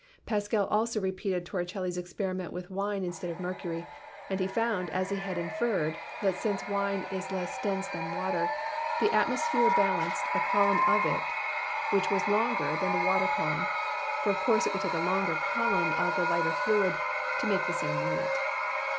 Pascal also repeated Torricelli's experiment with wine instead of mercury, and he found, as he had inferred, that, since wine is less dense than water, the atmosphere bal anced a column of it which was longer than the water column, for of course it would take a longer column of the lighter fluid to make the same weight.